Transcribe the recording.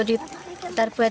oh gitu ya